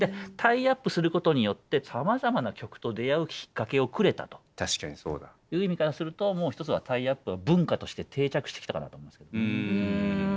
タイアップすることによってさまざまな曲と出会うきっかけをくれたという意味からすると一つはタイアップは文化として定着してきたかなと思いますけどね。